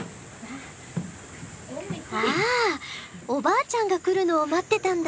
ああおばあちゃんが来るのを待ってたんだ。